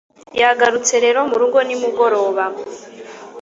yagarutse rero murugo nimugoroba